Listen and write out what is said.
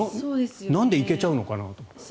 なんで行けちゃうのかなって。